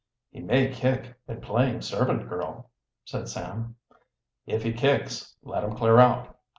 "He may kick at playing servant girl," said Sam. "If he kicks, let him clear out."